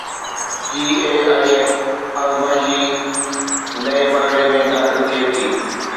GAIF آزمائشي ٽئين مرحلي ۾ داخل ٿئي ٿي